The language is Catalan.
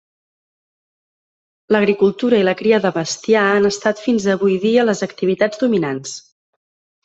L'agricultura i la cria de bestiar han estat fins avui dia les activitats dominants.